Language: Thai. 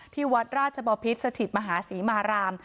ที่วัดราชบพิษสถิตมหาศรีมาราม